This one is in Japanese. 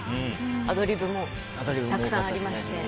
アドリブもたくさんありまして。